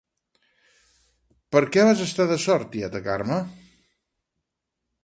—Per què vas estar de sort, tieta Carme?